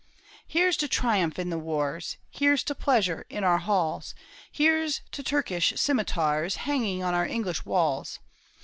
" Here's to triumph in the wars ! Here's to pleasure in our halls ! Here's to Turkish scimitars Hanging on our English walls